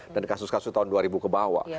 dan kasus kasus tahun dua ribu kebawah